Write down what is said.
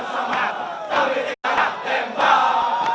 semangat tapi tidak ada tempat